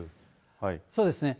そうですね。